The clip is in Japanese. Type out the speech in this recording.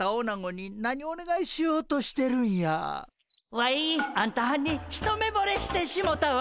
ワイあんたはんに一目ぼれしてしもたわ！